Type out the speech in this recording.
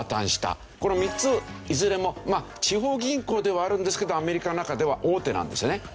この３ついずれも地方銀行ではあるんですけどアメリカの中では大手なんですよね。